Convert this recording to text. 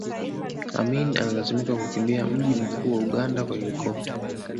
Amin alilazimika kukimbia mji mkuu wa Uganda kwa helikopta